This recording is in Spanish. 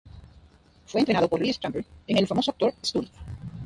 Fue entrenado por Lee Strasberg en el famoso Actors Studio.